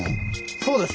そうです。